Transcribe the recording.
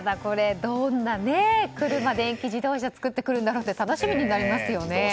どんな車や電気自動車を作ってくるんだろうと楽しみになりますよね。